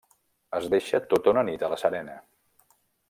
Es deixa tota una nit a la serena.